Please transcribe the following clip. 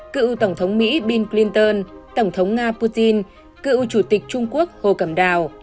cựu tổng thống mỹ bill clinton tổng thống nga putin cựu chủ tịch trung quốc hồ cầm đào